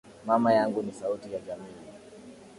Mama yangu ni sauti ya jamii.